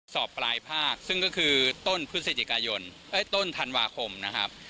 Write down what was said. สอบปลายภาคซึ่งก็คือต้นพฤศจิกายนต้นธันวาคมนะครับ